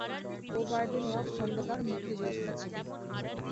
ওবায়দুল হক খোন্দকার মুক্তিযোদ্ধা ছিলেন।